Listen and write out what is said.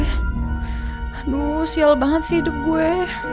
aduh sial banget sih hidup gue